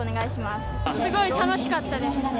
すごい楽しかったです。